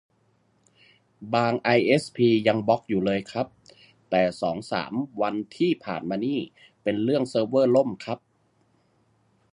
บางไอเอสพียังบล็อคอยู่เลยครับ แต่สองสามวันที่ผ่านมานี่ เป็นเรื่องเซิร์ฟเวอร์ล่มครับ